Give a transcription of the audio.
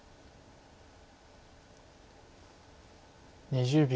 ２０秒。